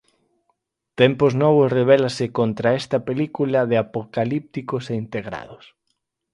Tempos novos rebélase contra esta película de apocalípticos e integrados.